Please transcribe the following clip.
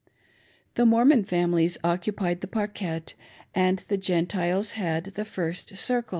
The Mormon families occu pied the parquette, and the Gentiles had the first circle.